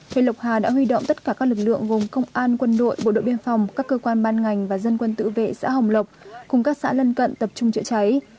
huyện lộc hà đã huy động tất cả các lực lượng gồm công an quân đội bộ đội biên phòng các cơ quan ban ngành và dân quân tự vệ xã hồng lộc cùng các xã lân cận tập trung chữa cháy